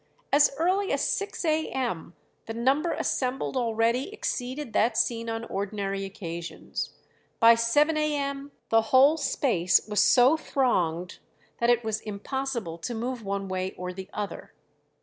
As early as six a.m. the number assembled already exceeded that seen on ordinary occasions; by seven a.m. the whole space was so thronged that it was impossible to move one way or the other.